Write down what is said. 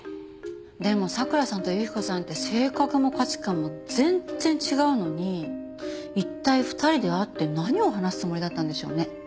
でも咲良さんと雪子さんって性格も価値観も全然違うのに一体２人で会って何を話すつもりだったんでしょうね？